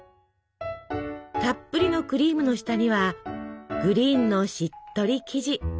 たっぷりのクリームの下にはグリーンのしっとり生地。